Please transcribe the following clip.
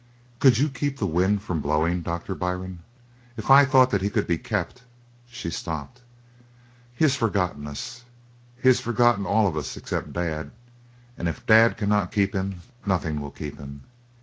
"Could you keep the wind from blowing, Doctor Byrne? If I thought that he could be kept " she stopped. "He has forgotten us. He has forgotten all of us except Dad. And if Dad cannot keep him, nothing will keep him.